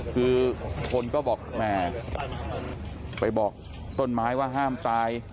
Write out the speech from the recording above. คือคนก็บอกแหมไปบอกต้นไม้ว่าห้ามตาย